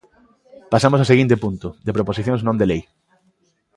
Pasamos ao seguinte punto, de proposicións non de lei.